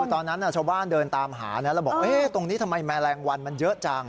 ตอนนั้นชาวบ้านเดินตามหานะแล้วบอกตรงนี้ทำไมแมลงวันมันเยอะจัง